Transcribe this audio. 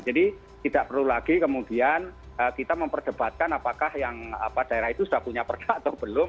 jadi tidak perlu lagi kemudian kita memperdebatkan apakah yang daerah itu sudah punya perda atau belum